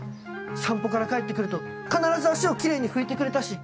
散歩から帰ってくると必ず足をキレイに拭いてくれたし。